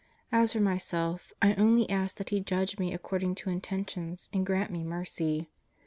As for myself I only ask that He judge me according to intentions and grant me mercy.